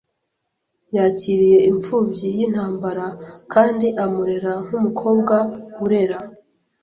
Yakiriye impfubyi yintambara kandi amurera nkumukobwa urera.